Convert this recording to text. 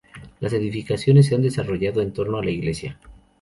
Las edificaciones se han desarrollado en torno a la iglesia.